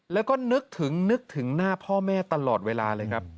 แล้วก็นึกถึงนึกถึงหน้าพ่อแม่ตลอดเวลาเลยครับ